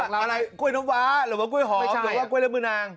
อ๋อแจกอะไรกล้วยน้ำวะหรือว่ากล้วยหอมหรือว่ากล้วยเรื้อมือนาง